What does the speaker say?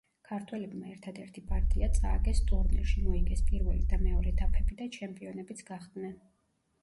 ქართველებმა ერთადერთი პარტია წააგეს ტურნირში, მოიგეს პირველი და მეორე დაფები და ჩემპიონებიც გახდნენ.